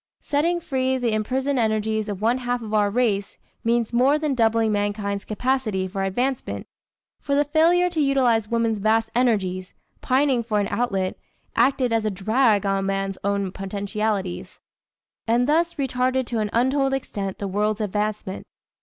Setting free the imprisoned energies of one half of our race, means more than doubling mankind's capacity for advancement. For the failure to utilize woman's vast energies, pining for an outlet, acted as a drag on man's own potentialities, and thus retarded to an untold extent the world's advancement.